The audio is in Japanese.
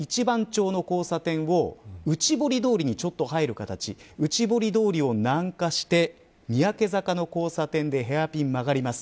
半蔵門通り、一番町の交差点を内堀通りにちょっと入る形内堀通りを南下して三宅坂の交差点でヘアピン曲がります。